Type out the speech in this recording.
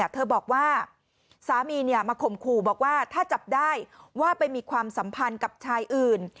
เธอบอกว่าสามีมาข่มขู่บอกว่าถ้าจับได้ว่าไปมีความสัมพันธ์กับชายอื่น